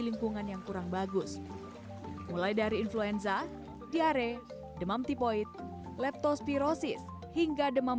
lingkungan yang kurang bagus mulai dari influenza diare demam tipoid leptospirosis hingga demam